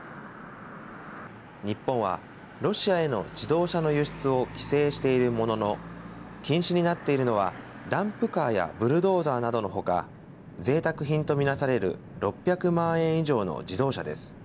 日本はロシアへの自動車の輸出を規制しているものの禁止になっているのはダンプカーやブルドーザーなどの他ぜいたく品と見なされる６００万円以上の自動車です。